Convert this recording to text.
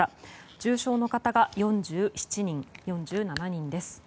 重症の方が４７人です。